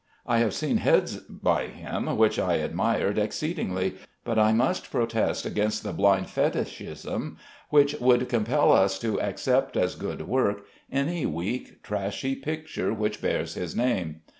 I have seen heads by him which I admired exceedingly, but I must protest against the blind fetishism which would compel us to accept as good work any weak, trashy picture which bears his name.